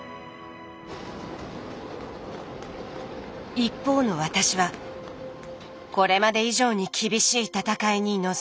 一方の私はこれまで以上に厳しい闘いに臨んでいました。